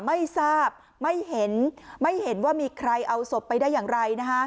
ไม่ทราบไม่เห็นไม่เห็นว่ามีใครเอาศพไปได้อย่างไร